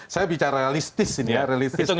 saya bicara realistis ini ya realistis kalkulasi